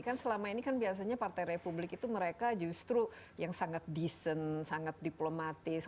kan selama ini kan biasanya partai republik itu mereka justru yang sangat decent sangat diplomatis